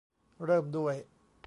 เริ่มด้วย